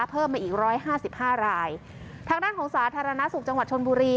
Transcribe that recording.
เพิ่มมาอีกร้อยห้าสิบห้ารายทางด้านของสาธารณสุขจังหวัดชนบุรี